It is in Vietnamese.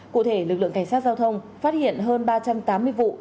cụ thể lực lượng cảnh sát giao thông phát hiện hơn ba trăm tám mươi vụ